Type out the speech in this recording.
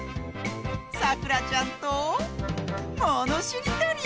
さくらちゃんとものしりとり！